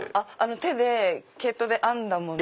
手で毛糸で編んだものを。